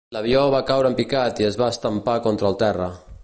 L'avió va caure en picat i es va estampar contra el terra.